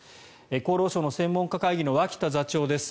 厚労省の専門家会議の脇田座長です。